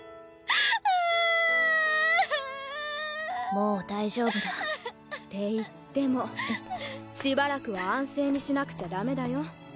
もう大丈夫だ。って言ってもしばらくは安静にしなくちゃダメだよ。